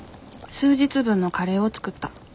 数日分のカレーを作った。